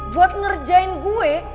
buat ngerjain gue